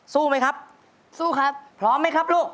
สวัสดีค่ะ